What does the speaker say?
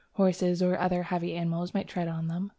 Horses or other heavy animals might tread on them.